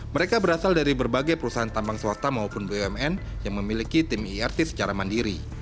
mereka berasal dari berbagai perusahaan tambang swasta maupun bumn yang memiliki tim irt secara mandiri